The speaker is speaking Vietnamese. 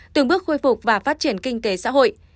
từng bước khôi phục và phát triển kinh tế xã hội